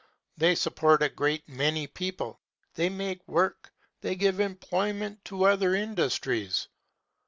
They "support a great many people," they "make work," they "give employment to other industries."